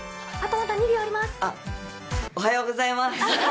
おはようございます。